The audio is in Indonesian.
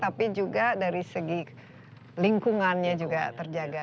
tapi juga dari segi lingkungannya juga terjaga